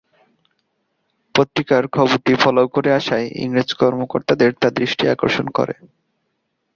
পত্রিকায় খবরটি ফলাও করে আসায় ইংরেজ কর্মকর্তাদের তা দৃষ্টি আকর্ষণ করে।